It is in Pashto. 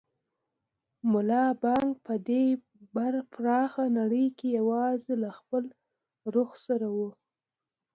ملا بانګ په دې پراخه نړۍ کې یوازې له خپل روح سره و.